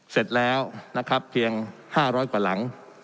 เสร็จแล้วนะครับเพียง๕๐๐กว่าหลัง